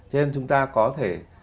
cho nên chúng ta có thể